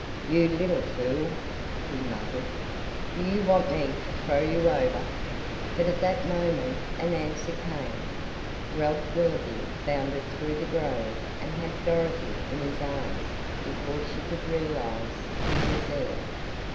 "You little fool!" he muttered, "do you want me to throw you over?" But at that moment an answer came Ralph Willoby bounded through the grove and had Dorothy in his arms before she could realize he was there!